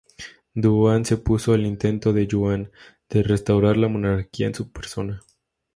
Duan se opuso al intento de Yuan de restaurar la monarquía en su persona.